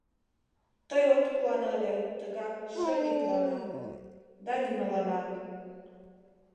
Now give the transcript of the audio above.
Тый от куане ыле тыгак шем ӱпланат, да нимоланат...